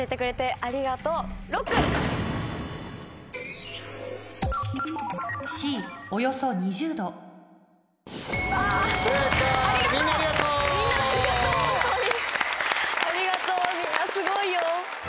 ありがとうみんなすごいよ。